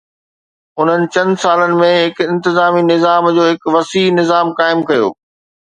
انهن چند سالن ۾ هن انتظامي نظام جو هڪ وسيع نظام قائم ڪيو.